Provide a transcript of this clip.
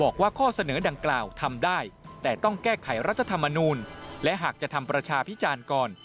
แก้ไขรัฐธรรมนูลและหากจะทำประชาพิจารณ์ก่อน